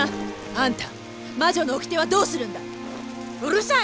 あんた魔女の掟はどうするんだ⁉うるさい！